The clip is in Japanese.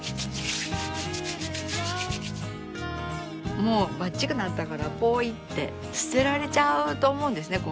もうばっちくなったからぽいって捨てられちゃうと思うんですね。